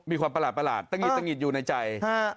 มีความประหลาดตะหิดตะหิดอยู่ในใจ